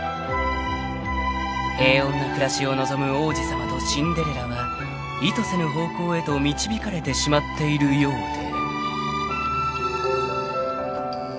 ［平穏な暮らしを望む王子様とシンデレラは意図せぬ方向へと導かれてしまっているようで］